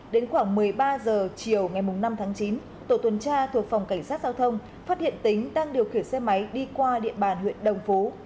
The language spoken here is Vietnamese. đến khoảng một mươi ba h chiều ngày năm tháng chín tổ tuần tra thuộc phòng cảnh sát giao thông phát hiện tính đang điều khiển xe máy đi qua địa bàn huyện đồng phú